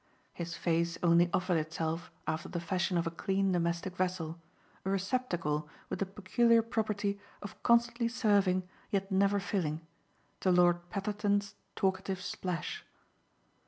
His face only offered itself after the fashion of a clean domestic vessel, a receptacle with the peculiar property of constantly serving yet never filling, to Lord Petherton's talkative splash.